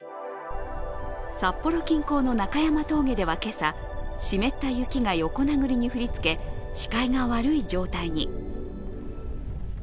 札幌近郊の中山峠では今朝、湿った雪が横なぐりに降りつけ、視界が悪い状態に。